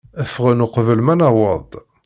Ffɣen uqbel ma nuweḍ-d.